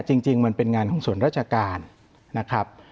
จริงมันเป็นงานของส่วนราชการนะครับ